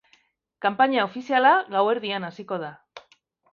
Kanpaina ofiziala gauerdian hasiko da.